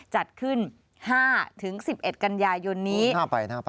จัดขึ้น๕๑๑กันยายนนี้